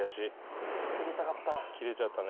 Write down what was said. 釣りたかった。